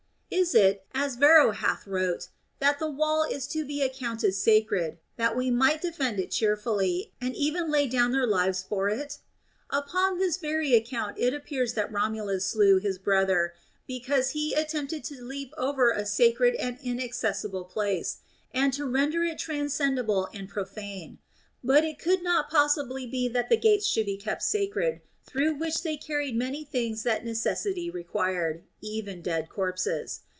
Is it (as Varro hath wrote) that the wall is to be accounted sacred, that they might defend it cheerfully and even lat down their lives for it? Upon this very account it appears that llomulus slew his brother, because 220 THE ROMAN QUESTIONS. he attempted to leap over a sacred and inaccessible place, and to render it transcendible and profane ; but it could not possibly be that the gates should be kept sacred, through which they carried many things that necessity required, even dead corpses.